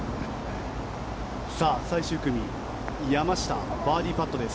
最終組、山下バーディーパットです。